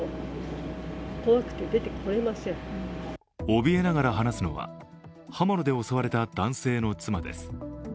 おびえながら話すのは刃物で襲われた男性の妻です。